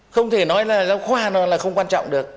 không thể nói là giáo khoa nó là không quan trọng được